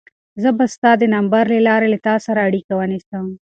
زه به ستا د نمبر له لارې له تا سره اړیکه ونیسم.